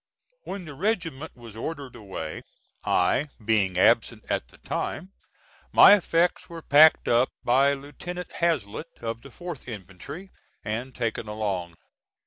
When the regiment was ordered away, I being absent at the time, my effects were packed up by Lieutenant Haslett, of the 4th infantry, and taken along.